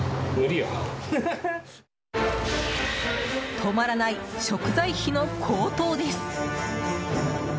止まらない食材費の高騰です。